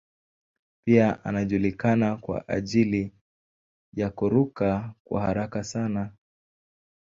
Pia anajulikana kwa ajili ya kuruka kwa haraka sana.